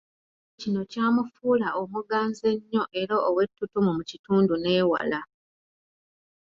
Kino kyamufuula omuganzi ennyo era ow'ettutumu mu kitundu n'ewala.